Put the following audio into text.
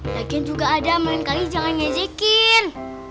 lagi juga adam main kali jangan ngejekin